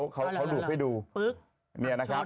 เขาดูเพลิงให้ดู